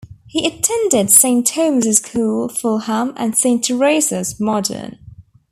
He attended Saint Thomas's School, Fulham and Saint Teresa's, Morden.